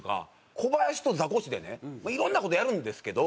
コバヤシとザコシでねいろんな事やるんですけど。